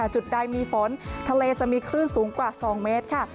จุดใดมีฝนทะเลจะมีคลื่นสูงกว่า๒เมตรค่ะ